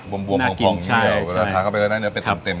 บวมพร้อมพร้อมเงี้ยวแล้วทาเข้าไปแล้วได้เนื้อเป็ดเต็ม